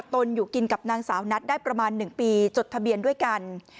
ตนอยู่กินกับนางสาวนัทได้ประมาณ๑ปีจดทะเบียนด้วยกัน